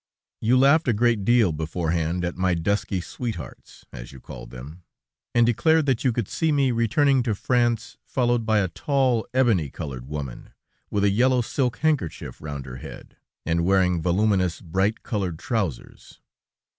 You laughed a great deal beforehand at my dusky sweethearts, as you called them, and declared that you could see me returning to France, followed by a tall, ebony colored woman, with a yellow silk handkerchief round her head, and wearing voluminous bright colored trousers.